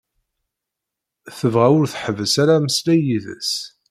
Tebɣa ur tḥebbes ara ameslay yid-s.